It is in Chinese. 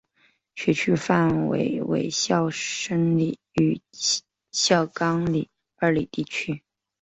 学区范围为孝深里与孝冈里二里地区。